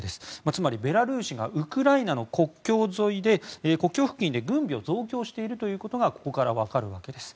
つまり、ベラルーシがウクライナの国境沿い国境付近で軍備を増強しているということがここからわかるわけです。